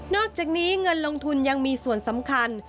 อกจากนี้เงินลงทุนยังมีส่วนสำคัญ